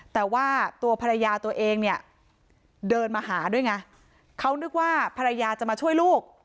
แต่ว่าตัวภรรยาตัวเองเนี่ยเดินมาหาด้วยไงเขานึกว่าภรรยาจะมาช่วยลูก